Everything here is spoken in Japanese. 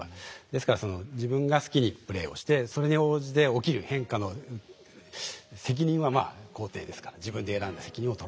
ですから自分が好きにプレイをしてそれに応じて起きる変化の責任はまあ皇帝ですから自分で選んだ責任を取らなきゃいけない。